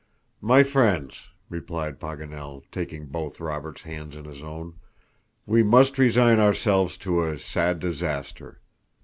"My friends," replied Paganel, taking both Robert's hands in his own, "we must resign ourselves to a sad disaster.